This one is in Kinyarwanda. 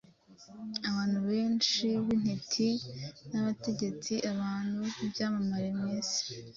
Abantu benshi b’intiti n’abategetsi, abantu b’ibyamamare mu isi,